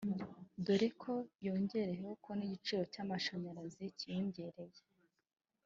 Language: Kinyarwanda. dore ko yongeyeho ko n’igiciro cy’amashanyarazi cyiyongereye